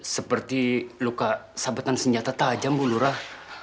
seperti luka sabetan senjata tajam bu lurah